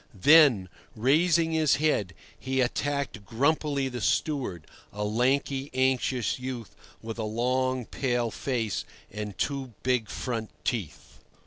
Then, raising his head, he attacked grumpily the steward, a lanky, anxious youth with a long, pale face and two big front teeth.